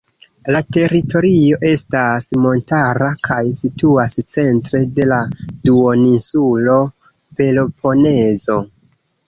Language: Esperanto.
La teritorio estas montara kaj situas centre de la duoninsulo Peloponezo.